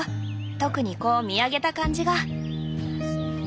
特にこう見上げた感じが。